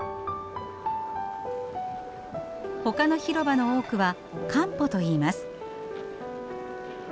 ほかの広場の多くはカンポといいます。